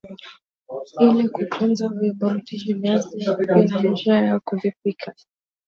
Ili kutunza virutubishi viazi vina njia za kuvipika